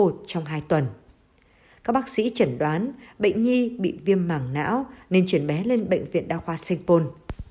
các bác sĩ chẳng đoán bệnh nhi bị viêm mảng não nên chuyển bé lên bệnh viện đa khoa sengpon